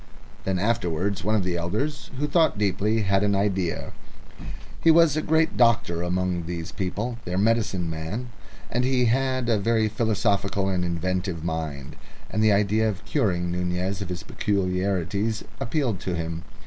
Then afterwards one of the elders, who thought deeply, had an idea. He was the great doctor among these people, their medicine man, and he had a very philosophical and inventive mind, and the idea of curing Nunez of his peculiarities appealed to him.